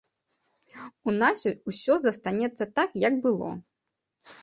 У нас усё застанецца так, як было.